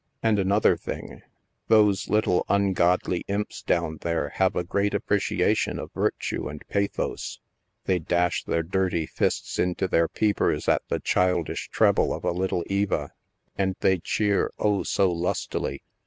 And another thing, those little ungodly imps down there have a great appreciation of virtue and pathos. They dash the r dirty fists into their peepers at the childish treble of a little Eva — and they cheer, O so lustily